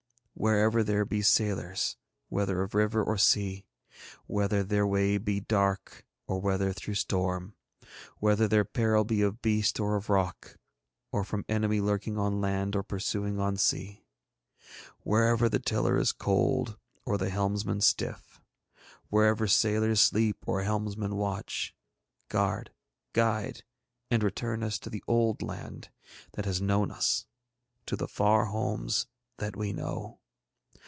Wherever there be sailors whether of river or sea: whether their way be dark or whether through storm: whether their peril be of beast or of rock: or from enemy lurking on land or pursuing on sea: wherever the tiller is cold or the helmsman stiff: wherever sailors sleep or helmsmen watch: guard, guide, and return us to the old land that has known us: to the far homes that we know.